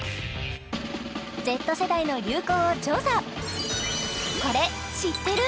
Ｚ世代の流行を調査